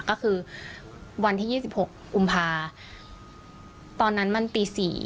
ก็คือวันที่๒๖กุมภาตอนนั้นมันตี๔